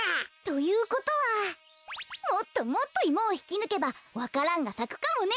ということはもっともっとイモをひきぬけばわか蘭がさくかもね。